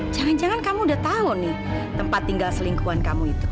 jangan jangan kamu udah tahu nih tempat tinggal selingkuhan kamu itu